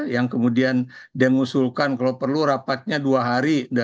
yang kemudian dia mengusulkan kalau perlu rapatnya dua hari